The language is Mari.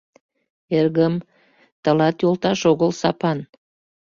— Эргым, тылат йолташ огыл Сапан.